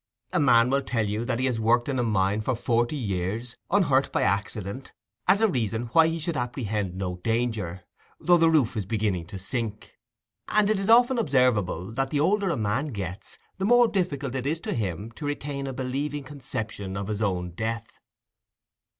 A man will tell you that he has worked in a mine for forty years unhurt by an accident as a reason why he should apprehend no danger, though the roof is beginning to sink; and it is often observable, that the older a man gets, the more difficult it is to him to retain a believing conception of his own death.